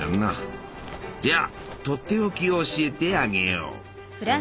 じゃあとっておきを教えてあげよう。